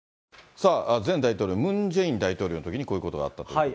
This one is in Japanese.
さあ、前大統領、ムン・ジェイン大統領のときにこういうことがあったということで。